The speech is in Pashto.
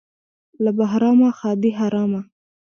- له بهرامه ښادي حرامه.